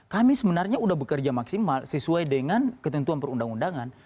kami sebenarnya sudah bekerja maksimal sesuai dengan ketentuan perundang undangan